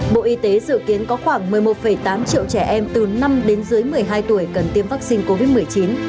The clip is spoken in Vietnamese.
bộ y tế dự kiến có khoảng một mươi một tám triệu trẻ em từ năm đến dưới một mươi hai tuổi cần tiêm vaccine covid một mươi chín